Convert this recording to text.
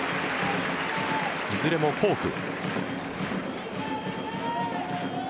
いずれもフォーク。